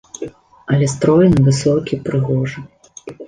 Але стройны, высокі, прыгожы.